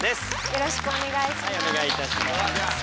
よろしくお願いします。